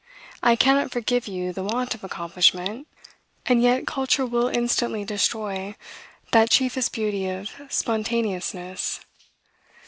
I cannot forgive you the want of accomplishment; and yet, culture will instantly destroy that chiefest beauty of spontaneousness.